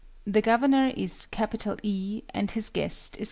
The Governor is E and his guest is C.